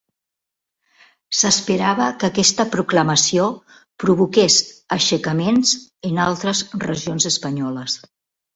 S'esperava que aquesta proclamació provoqués aixecaments en altres regions espanyoles.